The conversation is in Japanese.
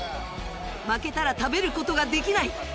負けたら食べる事ができない